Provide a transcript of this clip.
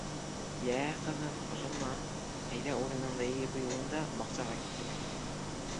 — Йә, ҡыҙым, осонма, әйҙә, урыныңды йыйып йыуын да, баҡсаға киттек.